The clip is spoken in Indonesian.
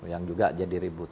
yang juga jadi ribut